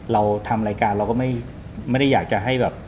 เราทำรายการเราก็ไม่ได้อยากจะให้แบบ